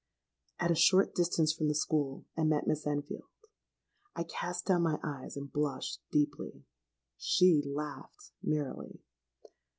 "At a short distance from the school, I met Miss Enfield. I cast down my eyes, and blushed deeply. She laughed merrily.